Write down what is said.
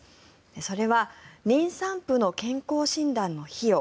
それは妊産婦の健康診断の費用